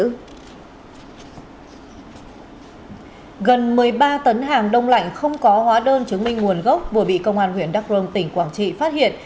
gần một mươi ba tấn hàng đông lạnh không có hóa đơn chứng minh nguồn gốc vừa bị công an huyện đắk rông tỉnh quảng trị phát hiện